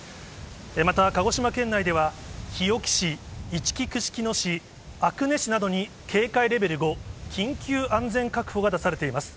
また、鹿児島県内では、日置市、いちき串木野市、阿久根市などに警戒レベル５、緊急安全確保が出されています。